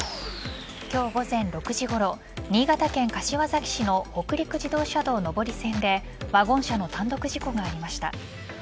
今日午前６時ごろ新潟県柏崎市の北陸自動車道上り線でワゴン車の単独事故がありました。